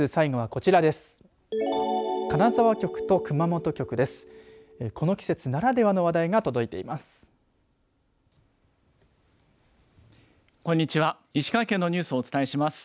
この季節ならではの話題が届いています。